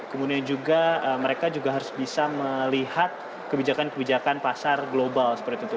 kemudian juga mereka juga harus bisa melihat kebijakan kebijakan pasar global seperti itu